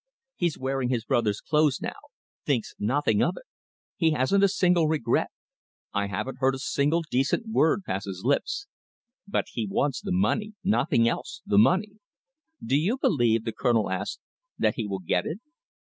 He's wearing his brother's clothes now thinks nothing of it! He hasn't a single regret. I haven't heard a single decent word pass his lips. But he wants the money. Nothing else! The money!" "Do you believe," the Colonel asked, "that he will get it?"